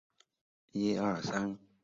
勒韦尔库尔。